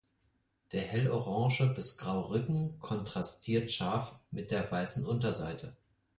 Der hellorange bis graue Rücken kontrastiert scharf mit der weißen Unterseite.